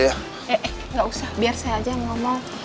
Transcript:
eh gak usah biar saya aja yang ngomong